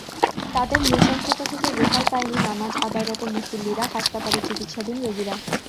তাদের নৃশংসতা থেকে রেহাই পায়নি নামাজ আদায়রত মুসল্লিরা, হাসপাতালে চিকিত্সাধীন রোগীরা।